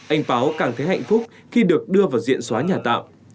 anh báo cảm thấy hạnh phúc khi được đưa vào diện xóa nhà tạm